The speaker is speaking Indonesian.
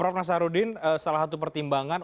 mas arudin salah satu pertimbangan